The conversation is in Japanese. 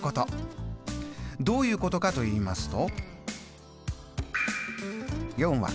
どういうことかといいますと。